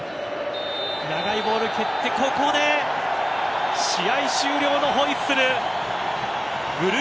長いボールを蹴ってここで試合終了のホイッスル。